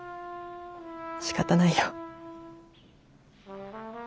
しかたないよ。